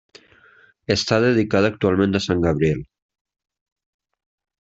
Està dedicada actualment a Sant Gabriel.